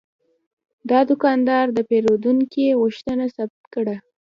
دا دوکاندار د پیرودونکي غوښتنه ثبت کړه.